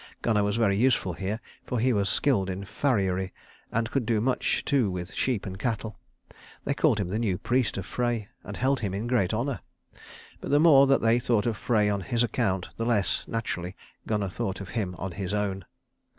Gunnar was very useful here, for he was skilled in farriery, and could do much too with sheep and cattle. They called him the new priest of Frey, and held him in great honour. But the more that they thought of Frey on his account the less, naturally, Gunnar thought of him on his own.